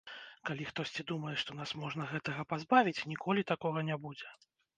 Калі хтосьці думае, што нас можна гэтага пазбавіць, ніколі такога не будзе.